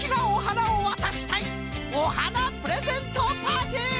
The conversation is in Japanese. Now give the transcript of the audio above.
おはなプレゼントパーティー！